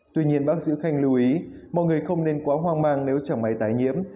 tuy nhiên bác sĩ khanh lưu ý mọi người không nên quá hoang mang nếu chẳng máy tài nhiễm